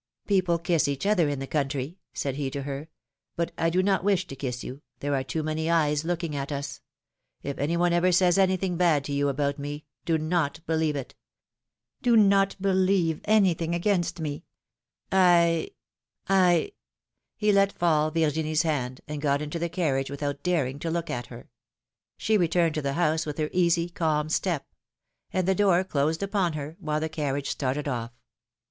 '^People kiss each other in the country," said he to her; but I do not wish to kiss you, there are too many eyes looking at us. If any one ever says anything bad to you about me, do not believe it; do not believe anything against me — I — I —!" He let fall Virginie's hand, and got into the carriage without daring to look at her. She returned to the house with her easy, calm step; and the door closed upon her, while the carriage started off.